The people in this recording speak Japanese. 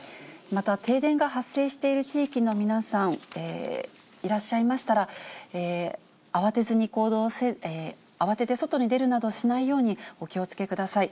また停電が発生している地域の皆さん、いらっしゃいましたら、慌てて外に出るなどしないようにお気をつけください。